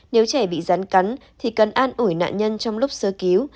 nếu trẻ bị rắn cắn thì cần an ủi nạn nhân trong lúc sơ cứu